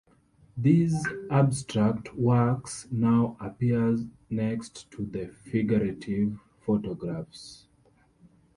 These "abstract" works now appear next to the figurative photographs.